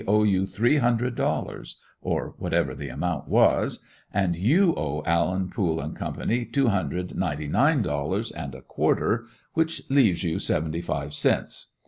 owe you three hundred dollars," or whatever the amount was, "and you owe Allen, Pool & Co. two hundred ninety nine dollars and a quarter, which leaves you seventy five cents."